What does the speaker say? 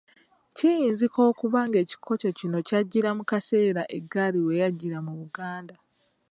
Kiyinzika okuba ng'ekikokyo kino kyajjira mu kiseera eggaali we yajjira mu Buganda.